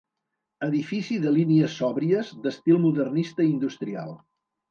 Edifici de línies sòbries, d'estil modernista industrial.